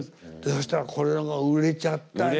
そしたらこれが売れちゃったんだ。